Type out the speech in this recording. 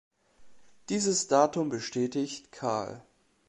Dieses Datum bestätigt Kahl.